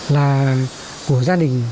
là của gia đình